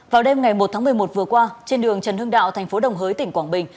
vào đêm ngày một tháng một mươi một vừa qua trên đường trần hưng đạo thành phố đồng hới tỉnh quảng bình